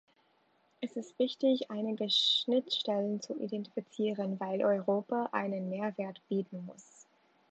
Es ist wichtig, einige Schnittstellen zu identifizieren, weil Europa einen Mehrwert bieten muss.